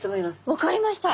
分かりました。